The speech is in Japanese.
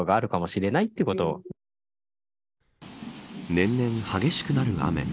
年々激しくなる雨。